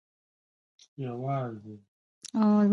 پښتو ژبه د خپلې برخې پراختیا لپاره نوې لارې چارې پیدا کوي.